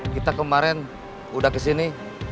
kita kemarin udah kesini